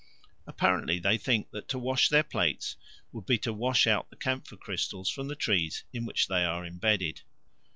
Apparently they think that to wash their plates would be to wash out the camphor crystals from the trees in which they are imbedded.